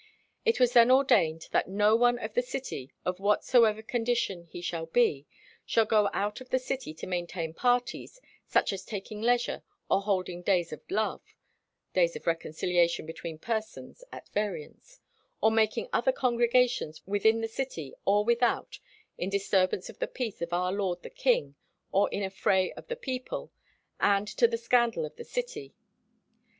It was then ordained that "no one of the city, of whatsoever condition he shall be, shall go out of the city to maintain parties, such as taking leisure, or holding 'days of love' (days of reconciliation between persons at variance), or making other congregations within the city or without in disturbance of the peace of our lord the king, or in affray of the people, and to the scandal of the city."